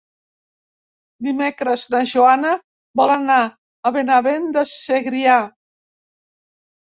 Dimecres na Joana vol anar a Benavent de Segrià.